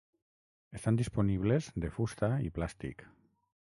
Estan disponibles de fusta i plàstic.